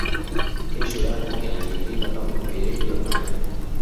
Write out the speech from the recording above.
kesho yako inatiririka kama mfereji wa maji